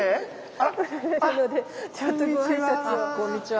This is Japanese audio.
あっこんにちは。